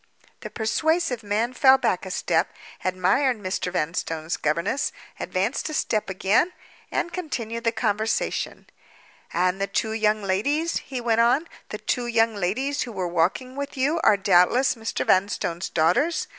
The persuasive man fell back a step—admired Mr. Vanstone's governess—advanced a step again—and continued the conversation. "And the two young ladies," he went on, "the two young ladies who were walking with you are doubtless Mr. Vanstone's daughters?